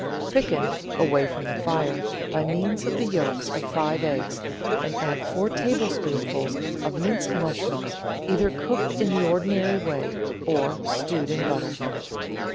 Thicken, away from the fire, by means of the yolks of five eggs, and add four tablespoonfuls of minced mush rooms, either cooked in the ordinary way or stewed in butter.